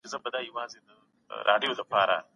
کمپيوټر ماشومانو ته ښوونه کوي.